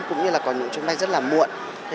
cũng như là có những chuyến bay rất là muộn